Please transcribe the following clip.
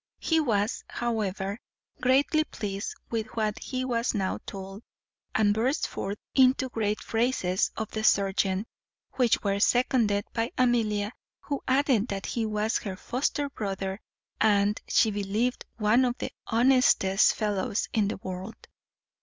He was, however, greatly pleased with what he was now told, and burst forth into great praises of the serjeant, which were seconded by Amelia, who added that he was her foster brother, and, she believed, one of the honestest fellows in the world.